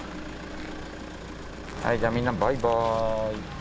はいじゃあみんなバイバーイ。